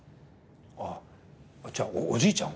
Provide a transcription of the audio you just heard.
あじゃあおじいちゃん？